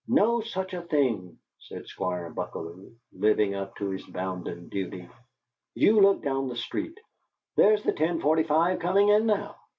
"No such a thing," said Squire Buckalew, living up to his bounden duty. "You look down the street. There's the ten forty five comin' in now.